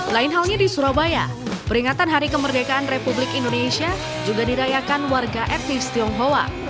lain halnya di surabaya peringatan hari kemerdekaan republik indonesia juga dirayakan warga etnis tionghoa